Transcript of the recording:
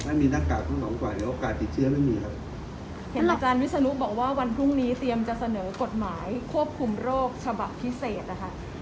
ถ้ามีหน้ากากทั้งสองฝ่ายเดี๋ยวโอกาสติดเชื้อไม่มีครับเห็นอาจารย์วิศนุบอกว่าวันพรุ่งนี้เตรียมจะเสนอกฎหมายควบคุมโรคฉบับพิเศษนะคะ